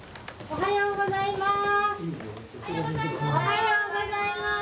おはようございます。